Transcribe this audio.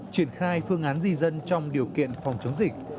triển khai phương án di dân trong điều kiện phòng chống dịch